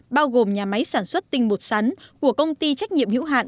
bao gồm nhà máy sản xuất tinh bột sắn của công ty trách nhiệm hữu hạn